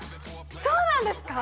そうなんですか？